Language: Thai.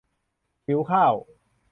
หิวข้าว~